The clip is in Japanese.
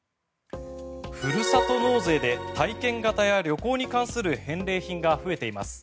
ふるさと納税で体験型や旅行に関する返礼品が増えています。